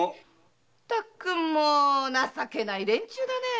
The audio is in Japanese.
まったく情けない連中だね。